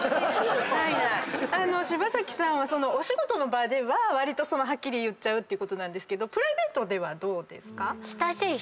柴咲さんお仕事の場ではわりとはっきり言うってことですけどプライベートではどうですか？